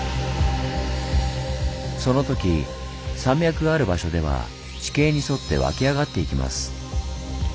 そのとき山脈がある場所では地形に沿って湧き上がっていきます。